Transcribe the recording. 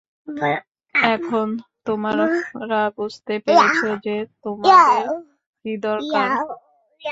এখন, তোমরা বুঝতে পেরেছ যে তোমাদের কী দরকার?